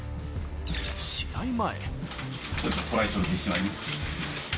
試合前。